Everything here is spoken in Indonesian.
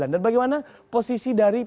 dan bagaimana posisi dari presiden